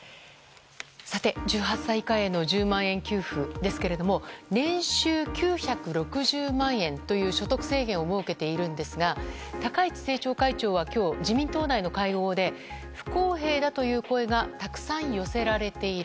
さて、１８歳以下への１０万円給付ですけれども、年収９６０万円という所得制限を設けているんですが、高市政調会長はきょう、自民党内の会合で、不公平だという声がたくさん寄せられている。